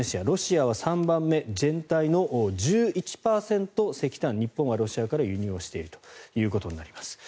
ロシアは３番目、全体の１１％石炭を日本はロシアから輸入をしているということになります。